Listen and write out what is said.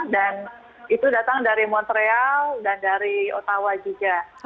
dan itu datang dari montreal dan dari ottawa juga